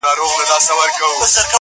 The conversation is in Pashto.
ټول عمر ښېرا کوه دا مه وايه,